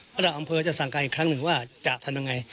ระดับอำเภอจะสั่งการอีกครั้งหนึ่งว่าจะทำยังไง